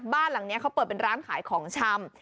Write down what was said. บ้านหลังนี้เขาเปิดเป็นร้านขายของชำ